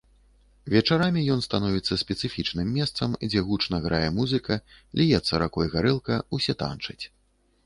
Вечарамі ён становіцца спецыфічным месцам, дзе гучна грае музыка, ліецца ракой гарэлка, усе танчаць.